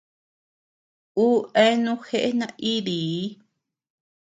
Ú eanu jeʼe naídii.